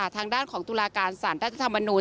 ทางด้านของตุลาการสารรัฐธรรมนูล